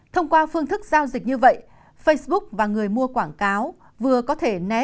thông qua phương thức giao dịch như vậy facebook và người mua quảng cáo vừa có thể né